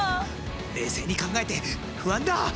冷静に考えて不安だ！